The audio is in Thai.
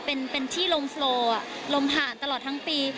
ที่นี่เป็นที่ลงโฟล์ลงผ่านตลอดทั้งปี